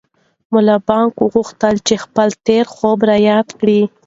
ملا بانګ وغوښتل چې خپل تېر خوب را یاد کړي.